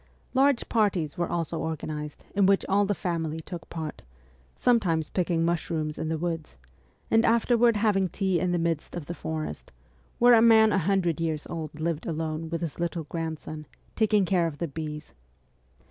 Large parties were also organised in which all the family took part, sometimes picking mushrooms in the woods, and afterward having tea in the midst of the forest, where a man a hundred years old lived alone with his little grandson, taking care of the bees.